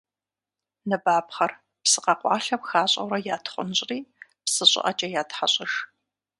Ныбапхъэр псы къэкъуалъэм хащӏэурэ ятхъунщӏри псы щӏыӏэкӏэ ятхьэщӏыж.